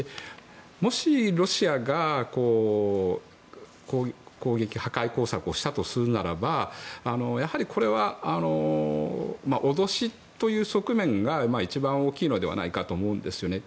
もしロシアが破壊工作をしたとするならばやはり、これは脅しという側面が一番大きいのではないかと思うんですね。